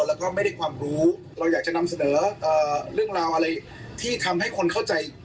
แล้วก็ไม่ได้ความรู้เราอยากจะนำเสนอเรื่องราวอะไรที่ทำให้คนเข้าใจ